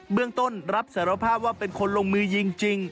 เมืองต้นรับสารภาพว่าเป็นคนลงมือยิงจริง